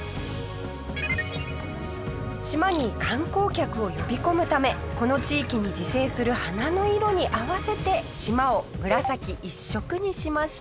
島に観光客を呼び込むためこの地域に自生する花の色に合わせて島を紫一色にしました。